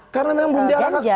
karena memang belum diarahkan